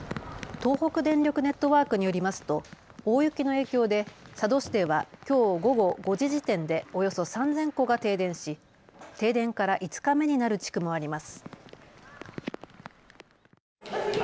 東北電力ネットワークによりますと大雪の影響で佐渡市ではきょう午後５時時点でおよそ３０００戸が停電し停電から５日目になる地区もあります。